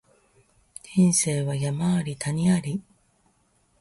人生は山あり谷あり